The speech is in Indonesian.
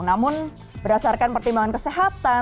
namun berdasarkan pertimbangan kesehatan